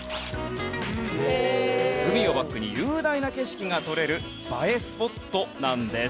海をバックに雄大な景色が撮れる映えスポットなんです。